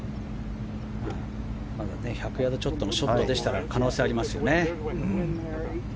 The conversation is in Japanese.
まだ１００ヤードちょっとでしたら可能性はありますよね。